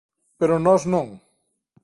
Pero nós non.